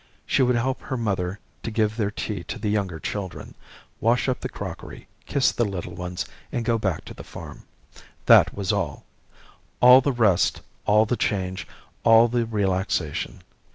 She would help her mother to give their tea to the younger children, wash up the crockery, kiss the little ones, and go back to the farm. That was all. All the rest, all the change, all the relaxation.